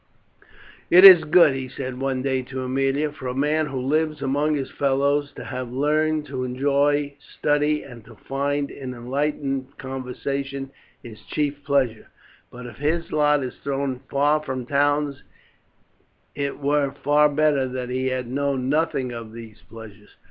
"It is good," he said one day to Aemilia, "for a man who lives among his fellows to have learned to enjoy study and to find in enlightened conversation his chief pleasure, but if his lot is thrown far from towns it were far better that he had known nothing of these pleasures."